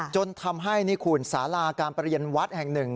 จนทำให้นี่คุณสาราการประเรียนวัดแห่งหนึ่ง